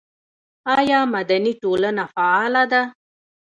آیا مدني ټولنه فعاله ده؟